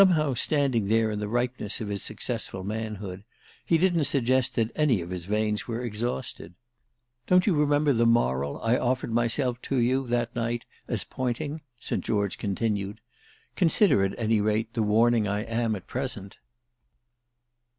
Somehow, standing there in the ripeness of his successful manhood, he didn't suggest that any of his veins were exhausted. "Don't you remember the moral I offered myself to you that night as pointing?" St. George continued. "Consider at any rate the warning I am at present."